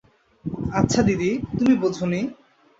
আচ্ছা দিদি, তুমি বোঝ নি?